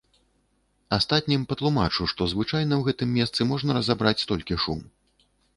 Астатнім патлумачу, што звычайна ў гэтым месцы можна разабраць толькі шум.